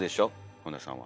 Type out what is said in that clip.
本田さんは。